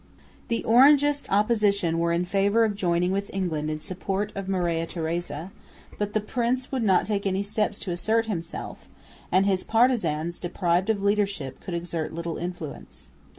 The Orangist opposition were in favour of joining with England in support of Maria Theresa; but the prince would not take any steps to assert himself, and his partisans, deprived of leadership, could exert little influence.